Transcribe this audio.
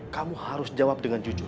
kamu harus jawab dengan jujur